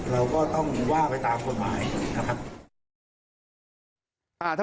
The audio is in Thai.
เราก็ต้องว่าไปตามกฎหมายนะครับ